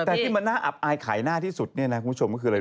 แต่ที่มันน่าอับอายขายหน้าที่สุดเนี่ยนะคุณผู้ชมก็คืออะไร